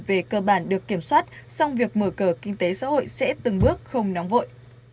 về cơ bản được kiểm soát song việc mở cửa kinh tế xã hội sẽ từng bước không nóng vội